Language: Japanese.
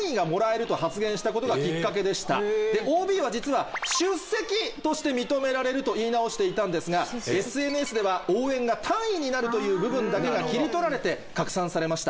ＯＢは実は。と言い直していたんですがＳＮＳでは「応援が単位になる」という部分だけが切り取られて拡散されました。